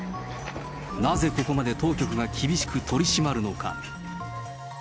なぜここまで当局が厳しく取り締まるのか。